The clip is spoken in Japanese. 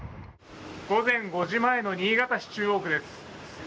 午前５時前の新潟市中央区です。